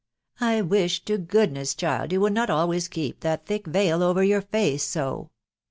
I wish to goodness, child, you would not al ways keep that thick veil over your face so.